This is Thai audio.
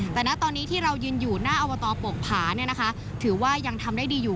แต่ณตอนนี้ที่เรายืนอยู่หน้าอบตโปกผาถือว่ายังทำได้ดีอยู่